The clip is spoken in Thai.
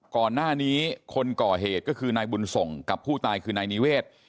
ก่อนหน้านี้คนก่อเหตุก็คือนายบุญส่งกับผู้ตายคือนายนิเวศ